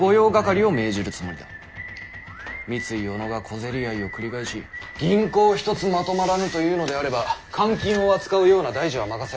三井小野が小競り合いを繰り返し銀行一つまとまらぬというのであれば官金を扱うような大事は任せられぬ。